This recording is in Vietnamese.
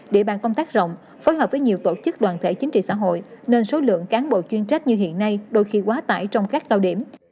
địa bàn công tác rộng phối hợp với nhiều tổ chức đoàn thể chính trị xã hội nên số lượng cán bộ chuyên trách như hiện nay đôi khi quá tải trong các cao điểm